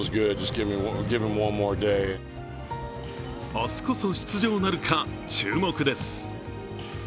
明日こそ出場なるか、注目です。